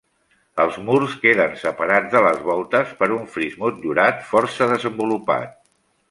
Els murs queden separats de les voltes per un fris motllurat força desenvolupat.